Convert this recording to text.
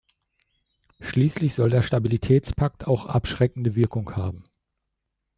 Schließlich soll der Stabilitätspakt auch abschreckende Wirkung haben.